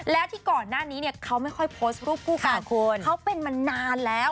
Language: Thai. แล้วที่ก่อนหน้านี้เนี่ยเขาไม่ค่อยโพสต์รูปคู่กันเขาเป็นมานานแล้ว